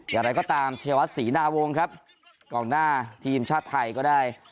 อย่างไรก็ตามชัยวัดศรีนาวงครับกองหน้าทีมชาติไทยก็ได้